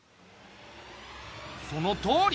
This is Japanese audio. そのとおり！